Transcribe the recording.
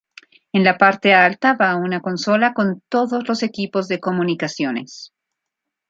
En la parte alta va una consola con todos los equipos de comunicaciones.